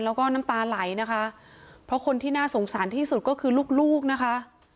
แล้วก็น้ำตาไหลนะคะเพราะคนที่น่าสงสารที่สุดก็คือลูกลูกนะคะ